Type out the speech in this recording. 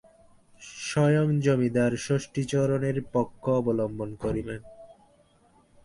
স্বয়ং জমিদার ষষ্ঠীচরণের পক্ষ অবলম্বন করিলেন।